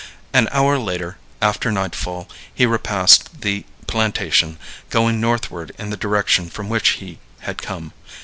An hour later, after nightfall, he repassed the plantation, going northward in the direction from which he had come.